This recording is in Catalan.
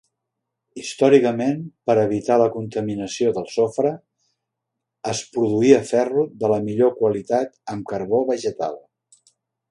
Històricament, per evitar la contaminació del sofre, es produïa ferro de la millor qualitat amb carbó vegetal.